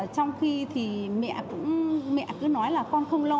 trong khi thì mẹ cứ nói là con không lo